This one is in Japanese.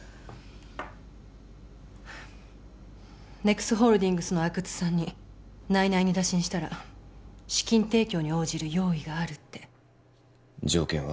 ＮＥＸホールディングスの阿久津さんに内々に打診したら資金提供に応じる用意があるって条件は？